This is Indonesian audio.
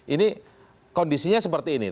ini kondisinya seperti ini